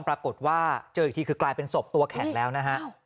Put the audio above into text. ปรากฏว่าเจออีกทีคือกลายเป็นศพตัวแข็งแล้วนะฮะ